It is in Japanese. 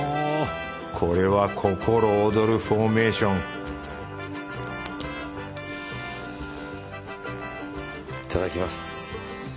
これは心躍るフォーメーションいただきます。